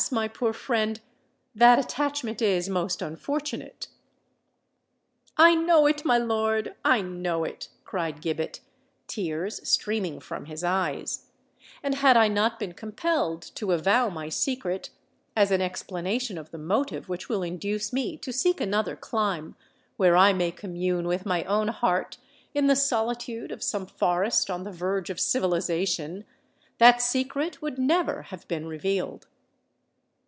my poor friend—that attachment is most unfortunate!" "I know it, my lord—I know it!" cried Gibbet, tears streaming from his eyes: "and had I not been compelled to avow my secret, as an explanation of the motive which will induce me to seek another clime where I may commune with my own heart in the solitude of some forest on the verge of civilization—that secret would never have been revealed!